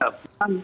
sampai saat ini